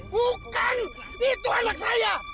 bukan itu anak saya